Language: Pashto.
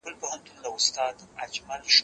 زه ليکنې کړي دي!؟